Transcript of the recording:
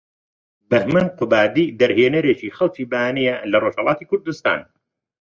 بەهمەن قوبادی دەرهێنەرێکی خەڵکی بانەیە لە رۆژهەڵاتی کوردوستان